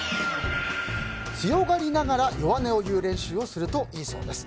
強がりながら弱音を言う練習をするといいそうです。